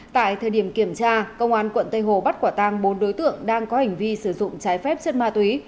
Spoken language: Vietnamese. tại thời điểm kiểm tra công an quận tây hồ bắt quả tang bốn đối tượng đang có hành vi sử dụng trái phép chất ma túy